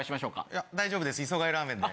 いや大丈夫ですイソガイラーメンで。